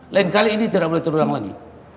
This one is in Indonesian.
lain kali ini tidak boleh terulang lagi